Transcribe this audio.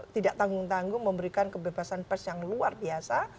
tidak tanggung tanggung memberikan kebebasan pers yang luar biasa